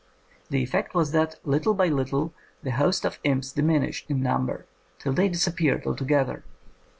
The effect was that, little by little, the host of imps dimin ished in number till they disappeared al together."